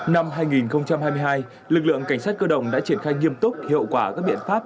năm hai nghìn hai mươi hai lực lượng cảnh sát cơ động đã triển khai nghiêm túc hiệu quả các biện pháp